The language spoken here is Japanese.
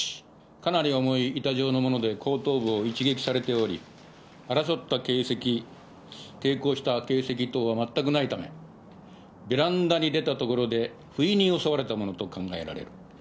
かなり重い板状の物で後頭部を一撃されており争った形跡抵抗した形跡等は全くないためベランダに出たところでふいに襲われたものと考えられる。